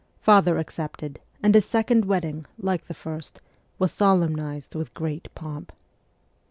Father accepted, and his second wedding, like the first, was solemnized with great pomp.